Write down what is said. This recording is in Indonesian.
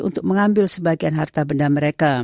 untuk mengambil sebagian harta benda mereka